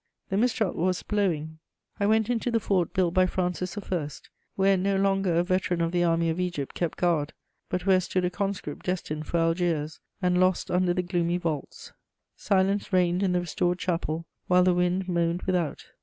The mistral was blowing; I went into the fort built by Francis I., where no longer a veteran of the army of Egypt kept guard, but where stood a conscript destined for Algiers and lost under the gloomy vaults. Silence reigned in the restored chapel, while the wind moaned without.